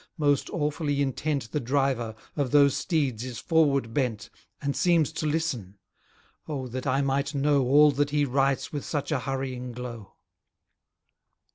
Most awfully intent The driver, of those steeds is forward bent, And seems to listen: O that I might know All that he writes with such a hurrying glow.